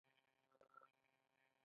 آیا هوښیار خلک نه بیلیږي؟